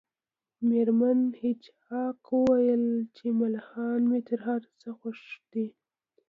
میرمن هیج هاګ وویل چې ملخان مې تر هر څه خوښ دي